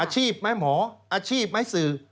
อาชีพไหมหมออาชีพไหมสื่อ